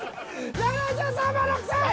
７３６，０００円。